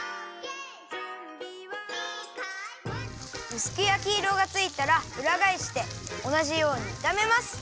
うすくやきいろがついたらうらがえしておなじようにいためます。